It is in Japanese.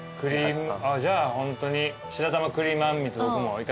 じゃあホントに白玉クリームあんみつ僕もいかしてもらいます。